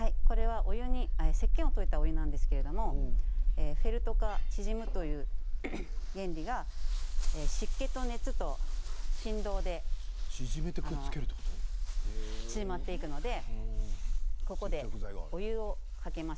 お湯に、せっけんを溶かしたものなんですがフェルトが縮む原理が湿気と熱と振動で縮まっていくのでここで、お湯をかけます。